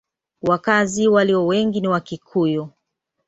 Wakazi walio wengi ni Wakikuyu.